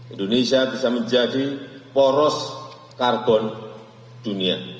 indonesia bisa menjadi poros karbon dunia